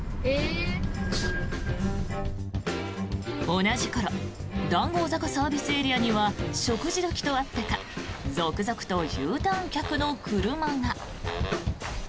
同じ頃、談合坂ＳＡには食事時とあってか続々とＵターン客の車が。